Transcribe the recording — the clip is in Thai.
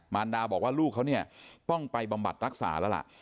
มารดาบอกว่าลูกเขาต้องไปบำบัดรักษาแล้ว